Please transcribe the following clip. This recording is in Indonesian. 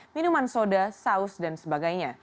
minuman soda saus dan sebagainya